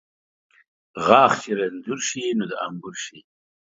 غاښ چې رنځور شي ، نور د انبور شي